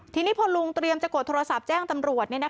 ทีนี้พอลุงเตรียมจะกดโทรศัพท์แจ้งตำรวจ